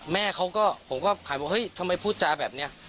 แม่เขาก็ผมก็หันบอกเฮ้ยทำไมพูดจาแบบนี้